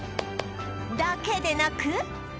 だけでなく